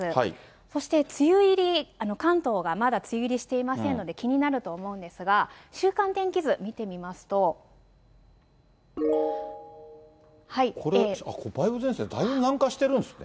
そして梅雨入り、関東がまだ梅雨入りしていませんので、気になると思うんですが、週間天気図、これ、梅雨前線だいぶ南下しているんですか。